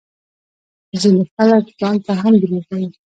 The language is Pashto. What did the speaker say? ځينې خلک ځانته هم دروغ وايي